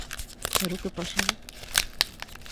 ¿Pero que pasou?